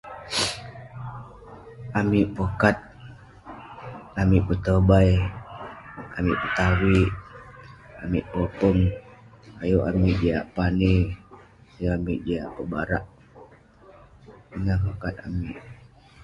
Amik pokat, amik petobai, amik petavik, amik popeng. Ayuk amik jiak pani, ayuk amik jiak pebarak. Ineh pokat amik.